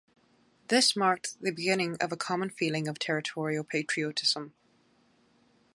This marked the beginning of a common feeling of territorial patriotism.